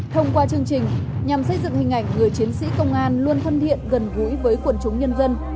thông qua chương trình nhằm xây dựng hình ảnh người chiến sĩ công an luôn thân thiện gần gũi với quần chúng nhân dân